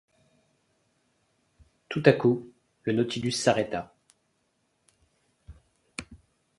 Tout à coup le Nautilus s’arrêta.